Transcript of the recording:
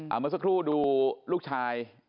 เมื่อสักครู่ดูลูกชาย